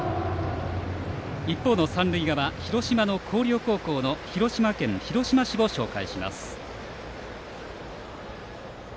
一方の三塁側、広島の広陵高校の広島県広島市を紹介します。